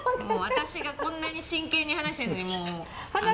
もう私がこんなに真剣に話してるのにもう。